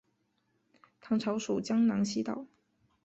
唐朝属江南西道。